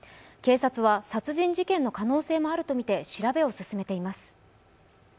警察は殺人事件の可能性もあるとみて調べを進めています。